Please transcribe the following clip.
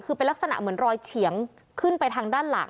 คือเป็นลักษณะเหมือนรอยเฉียงขึ้นไปทางด้านหลัง